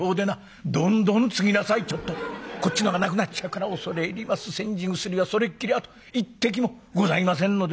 「ちょっとこっちのがなくなっちゃうから恐れ入ります煎じ薬はそれっきりあと一滴もございませんので」。